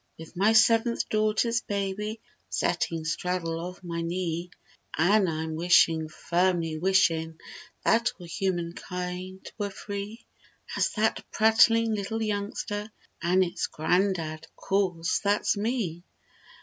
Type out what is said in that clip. With my seventh daughter's baby Settin' 'straddle of my knee. An' I'm wishin', firmly wishin' That all human kind were free As that prattlin' little youngster An' its grandad, 'course that's me.